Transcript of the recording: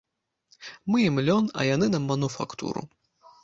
Мы ім лён, а яны нам мануфактуру.